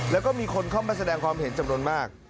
แล้วก็มีคนเข้ามาแสดงความเห็นจำนวนมาก